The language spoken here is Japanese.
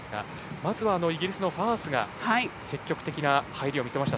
まずはイギリスのファースが積極的な入りを見せました。